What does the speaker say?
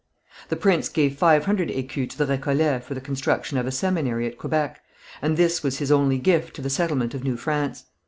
The prince gave five hundred écus to the Récollets for the construction of a seminary at Quebec, and this was his only gift to the settlement of New France.